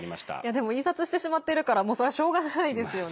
でも印刷してしまっているからそれは、しょうがないですよね。